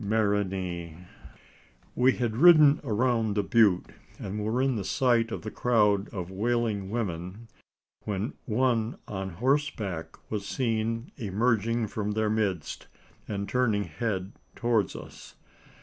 MARANEE. We had ridden around the butte, and were in sight of the crowd of wailing women, when one on horseback was seen emerging from their midst, and turning head towards us.